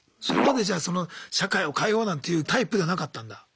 それまでじゃあ社会を変えようなんていうタイプではなかったんだ。